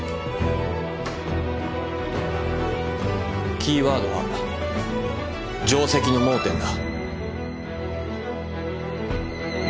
キーワードは定跡の盲点だ。